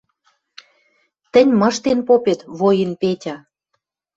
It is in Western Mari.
Тӹнь мыштен попет, воин Петя